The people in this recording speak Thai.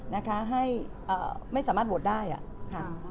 นะคะให้ไม่สามารถโหวตได้อ่ะค่ะ